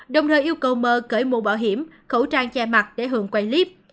đồng thời yêu cầu m cởi mũ bảo hiểm khẩu trang che mặt để hường quay clip